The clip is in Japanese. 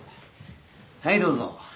はいどうぞ。